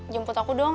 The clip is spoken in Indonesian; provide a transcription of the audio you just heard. jemput aku dong